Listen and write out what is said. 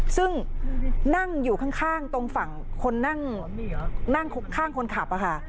ซึ่งนั่งอยู่ข้างตรงฝั่งคนนั่งข้างคนขับค่ะ